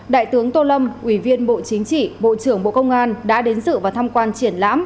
đại tướng tô lâm ủy viên bộ chính trị bộ trưởng bộ công an đã đến dự và tham quan triển lãm